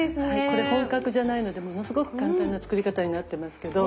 これ本格じゃないのでものすごく簡単な作り方になってますけど。